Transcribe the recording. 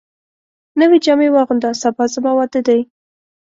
نوي جامي واغونده ، سبا زما واده دی